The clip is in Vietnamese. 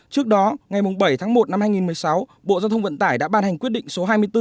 trước đó ngày bảy tháng một năm hai nghìn một mươi sáu bộ giao thông vận tải đã ban hành quyết định số hai mươi bốn